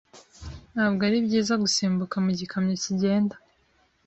Ntabwo ari byiza gusimbuka mu gikamyo kigenda.